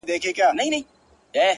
• پر دوو پښو راته ولاړ یې سم سړی یې ,